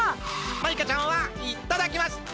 マイカちゃんはいっただきました！